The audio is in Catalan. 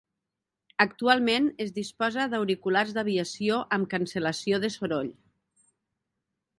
Actualment, es disposa d'auriculars d'aviació amb cancel·lació del soroll.